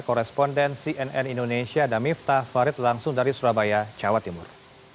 koresponden cnn indonesia damif tafarid langsung dari surabaya jawa timur